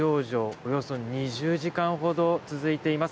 およそ２０時間ほど続いています。